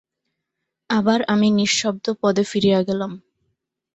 আবার আমি নিঃশব্দপদে ফিরিয়া গেলাম।